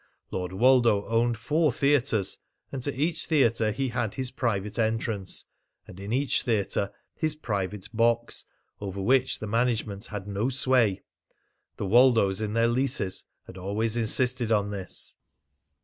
Lord Woldo owned four theatres, and to each theatre he had his private entrance, and in each theatre his private box, over which the management had no sway. The Woldos in their leases had always insisted on this.